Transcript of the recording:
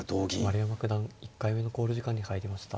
丸山九段１回目の考慮時間に入りました。